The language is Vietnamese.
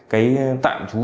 cái tạm trú